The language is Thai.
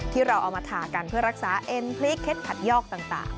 ที่เราเอามาทากันเพื่อรักษาเอ็นพลิกเคล็ดผัดยอกต่าง